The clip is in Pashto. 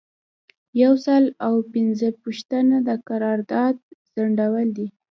یو سل او پنځمه پوښتنه د قرارداد ځنډول دي.